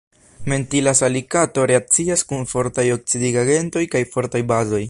Mentila salikato reakcias kun fortaj oksidigagentoj kaj fortaj bazoj.